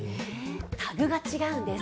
タグが違うんです。